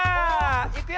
いくよ！